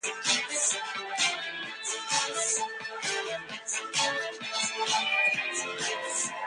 The fate of the sons of Moses is theologically controversial: they disappear from history.